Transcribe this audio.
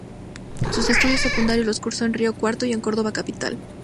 Sus estudios secundarios los curso en Río Cuarto y en Córdoba capital.